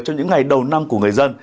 trong những ngày đầu năm của người dân